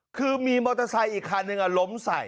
เอ้อคือมีมอเตอร์ไซส์อีกคันนะล้มใส่